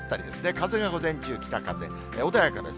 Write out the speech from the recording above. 風が午前中、北風、穏やかです。